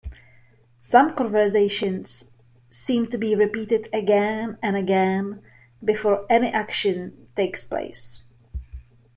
Some conversations seem to be repeated again and again, before any action takes place.